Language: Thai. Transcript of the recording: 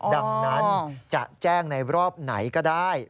ดังนั้นจะแจ้งในรอบไหนก็ได้